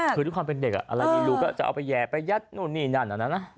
คือที่ความเป็นเด็กอะไรมีรูก็จะเอาไปแยะไปยัดนี่นั่น